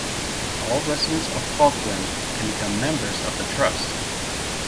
All residents of Falkland can become members of the trust.